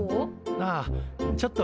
ああちょっと